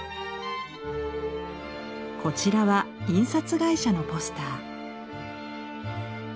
こちらは印刷会社のポスター。